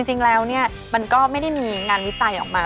จริงแล้วเนี่ยมันก็ไม่ได้มีงานวิจัยออกมา